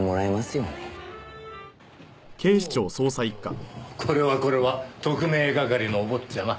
おうこれはこれは特命係のお坊ちゃま。